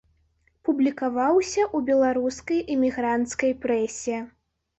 Публікаваўся ў беларускай эмігранцкай прэсе.